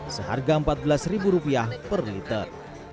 seharga rp empat belas per liter